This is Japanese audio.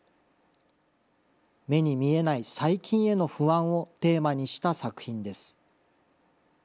目に見えない細菌への不安をテーマにした作品です。